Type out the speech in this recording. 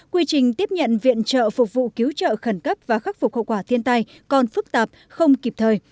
quy trình tiếp nhận viện trợ phục vụ cứu trợ khẩn cấp và khắc phục hậu quả thiên tai còn phức tạp không kịp thời